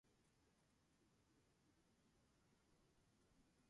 E W Swanton said that "I thought they were going to have stroke".